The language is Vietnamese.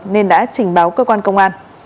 nên đã trình báo cơ quan công an